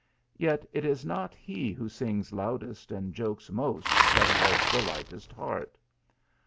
Yet it is not he who sings loudest and jokes most that has the lightest heart.